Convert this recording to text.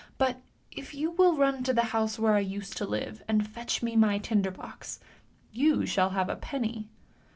But if you will run to the house where I used to five, and fetch me my tinder box, vou shall have a pennv!